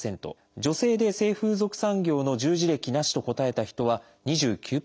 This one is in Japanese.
女性で性風俗産業の従事歴「なし」と答えた人は２９％なんです。